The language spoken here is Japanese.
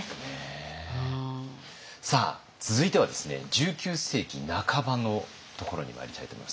１９世紀半ばのところにまいりたいと思います。